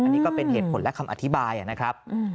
อันนี้ก็เป็นเหตุผลและคำอธิบายนะครับ